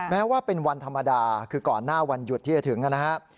แม้ว่าเป็นวันธรรมดาคือก่อนหน้าวันหยุดที่จะถึงนะครับ